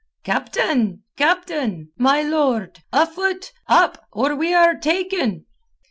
"Captain! Captain! My lord! Afoot! Up! or we are taken!"